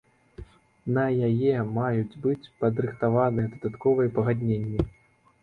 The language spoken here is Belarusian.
На яе маюць быць падрыхтаваныя дадатковыя пагадненні.